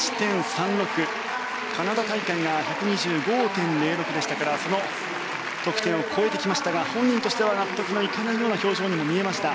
カナダ大会が１２５．０６でしたからその得点を超えてきましたが本人としては納得のいかない表情にも見えました。